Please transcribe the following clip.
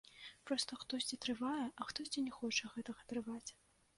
Проста хтосьці трывае, а хтосьці не хоча гэтага трываць.